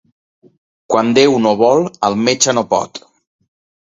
Quan Déu no vol, el metge no pot.